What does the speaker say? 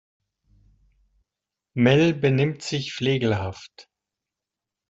Mel benimmt sich flegelhaft.